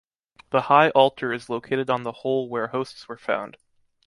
The high altar is located on the hole where hosts were found.